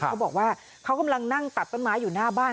เขาบอกว่าเขากำลังนั่งตัดต้นไม้อยู่หน้าบ้าน